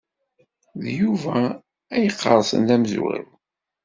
D Yuba ay iqersen d amezwaru.